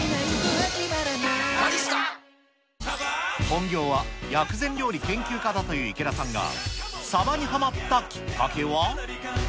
本業は薬膳料理研究家だという池田さんが、サバにはまったきっかけは？